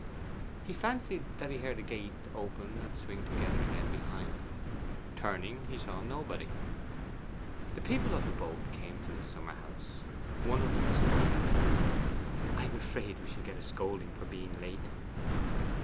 He fancied that he heard the gate open and swing together again behind him. Turning, he saw nobody. The people of the boat came to the summer house. One of them spoke. 'I am afraid we shall get a scolding for being so late.